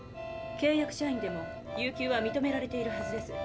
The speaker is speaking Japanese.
契約社員でも有給は認められているはずです。